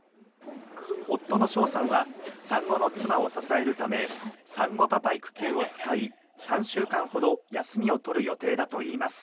夫の捷さんは産後の妻を支えるため産後パパ育休を使い、３週間ほど休みを取る予定だといいます。